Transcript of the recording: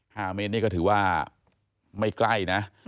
ห้าเมตรก็ถือว่าไม่ไกลนะ